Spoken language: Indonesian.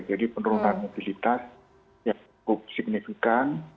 jadi penurunan mobilitas yang cukup signifikan